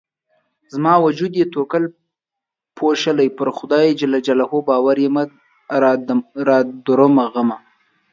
زما وجود يې توکل پوښلی پر خدای ج باور يمه رادرومه غمه